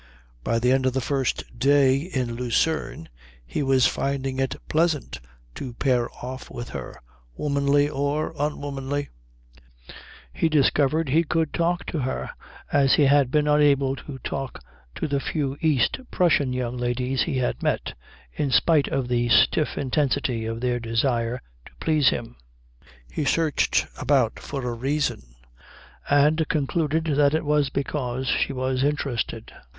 By the end of the first day in Lucerne he was finding it pleasant to pair off with her, womanly or unwomanly. He liked to talk to her. He discovered he could talk to her as he had been unable to talk to the few East Prussian young ladies he had met, in spite of the stiff intensity of their desire to please him. He searched about for a reason, and concluded that it was because she was interested.